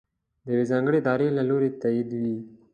د یوې ځانګړې ادارې له لورې تائید وي.